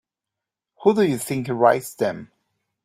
Who do you think writes them?